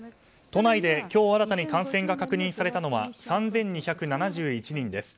都内で今日新たに感染が確認されたのは３２７１人です。